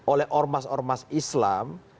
oleh ormas ormas islam